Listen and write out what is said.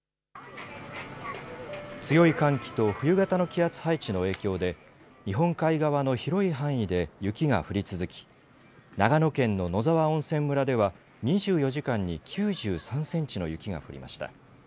強い寒気と冬型の気圧配置の影響で日本海側の広い範囲で雪が降り続き長野県の野沢温泉村では２４時間に９３センチの雪が降りました。